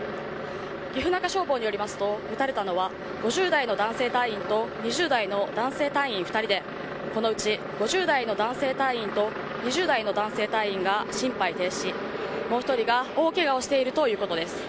岐阜中消防によりますと撃たれたのは５０代の男性隊員と２０代の男性隊員２人でこのうち５０代の男性隊員と２０代の男性隊員が心肺停止もう１人が大ケガをしているということです。